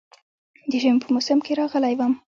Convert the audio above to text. د ژمي په موسم کې راغلی وم.